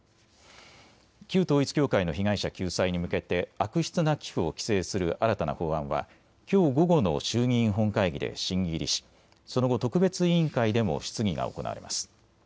旧統一教会の被害者救済に向けて悪質な寄付を規制する新たな法案はきょう午後の衆議院本会議で審議入りしその後、特別委員会でも質疑が行われます。